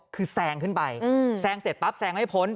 คือแซงขึ้นไปแซงเสร็จปั๊บแซงไม่พ้น